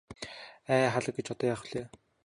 Ай халаг гэж одоо яах билээ.